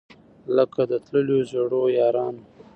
لکه د تللیو زړو یارانو